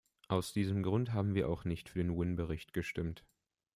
Aus diesem Grund haben wir auch nicht für den Wynn-Bericht gestimmt.